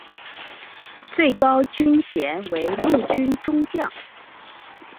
最高军衔为陆军中将。